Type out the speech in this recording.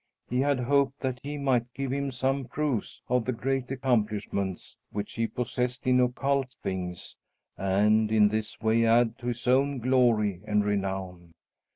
He had hoped that he might give him some proofs of the great accomplishments which he possessed in occult things and in this way add to his own glory and renown.